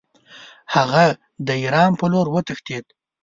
هغه د ایران په لوري وتښتېد.